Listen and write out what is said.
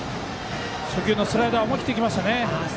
初球のスライダー思い切っていきましたね。